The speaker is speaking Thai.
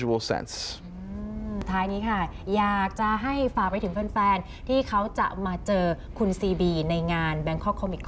นั่นคือ๒อย่างที่ข้องใด